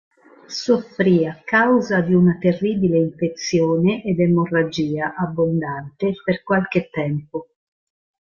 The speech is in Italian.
Soffrì a causa di una terribile infezione ed emorragia abbondante per qualche tempo.